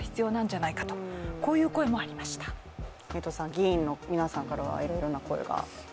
議員の皆さんからは、いろいろな声が。